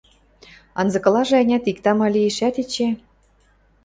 Анзыкылажы, ӓнят, иктӓ-ма лиэшӓт эче...